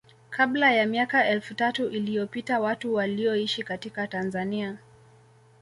kabla ya miaka elfu tatu iliyopita watu walioishi katika Tanzania